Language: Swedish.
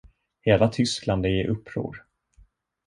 Hela Tyskland är i uppror.